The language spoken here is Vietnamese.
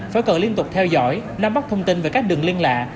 phải cần liên tục theo dõi nắm bắt thông tin về các đường liên lạ